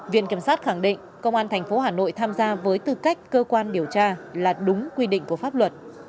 viện kiểm sát khẳng định công an tp hà nội tham gia với tư cách cơ quan điều tra là đúng quy định của pháp luật